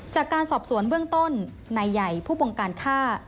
จากการสอบสวนเบื้องต้นนายใหญ่ผู้ปงการฆ่า